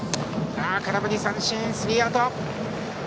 空振り三振、スリーアウト。